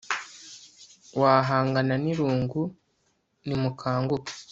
wahangana n irungu nimukanguke